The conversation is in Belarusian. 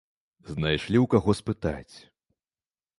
Знайшлі ў каго спытаць!